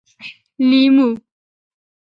🍋 لېمو